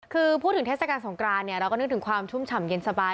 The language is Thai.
คือพูดถึงเทศกาลสงกรานเนี่ยเราก็นึกถึงความชุ่มฉ่ำเย็นสบาย